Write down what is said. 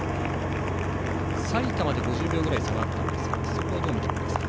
埼玉で５０秒くらい差があったんですがそこはどう見ていますか？